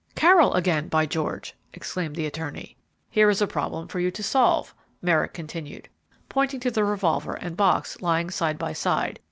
"Carroll again, by George!" exclaimed the attorney. "Here is a problem for you to solve," Merrick continued, pointing to the revolver and box lying side by side.